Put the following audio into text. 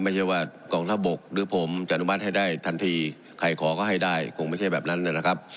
ไม่ใช่ว่ากองทัพบกหรือผมจะอนุมัติให้ได้ทันทีใครขอก็ให้ได้คงไม่ใช่แบบนั้นนะครับ